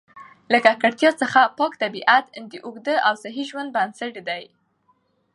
له ککړتیا څخه پاک طبیعت د اوږده او صحي ژوند بنسټ دی.